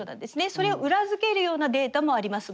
それを裏付けるようなデータもあります。